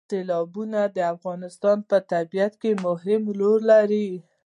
سیلابونه د افغانستان په طبیعت کې مهم رول لري.